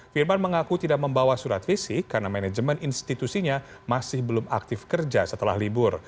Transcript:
firman mengaku tidak membawa surat fisik karena manajemen institusinya masih belum aktif kerja setelah libur